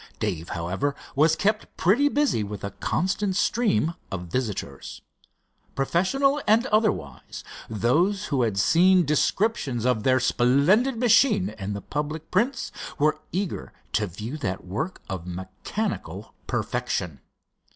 Dave, however, was kept pretty busy with a constant stream of visitors. Professional and otherwise, those who had seen descriptions of their splendid machine in the public prints were eager to view that work of mechanical perfection.